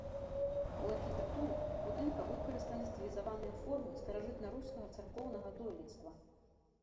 У архітэктуры будынка выкарыстаны стылізаваныя формы старажытнарускага царкоўнага дойлідства.